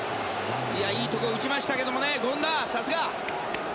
いいところに打ちましたけど権田、さすが！